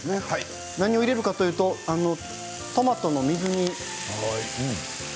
何を入れるかいうとトマトの水煮。